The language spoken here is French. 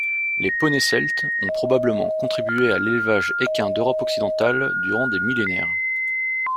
Les poneys celtes ont probablement contribué à l'élevage équin d'Europe occidentale durant des millénaires.